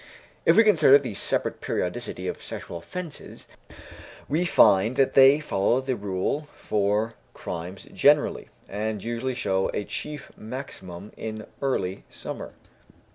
If we consider the separate periodicity of sexual offences, we find that they follow the rule for crimes generally, and usually show a chief maximum in early summer.